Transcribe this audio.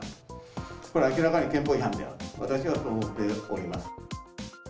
これは明らかに憲法違反であると、私はそう思っております。